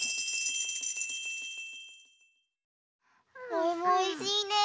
おいもおいしいね。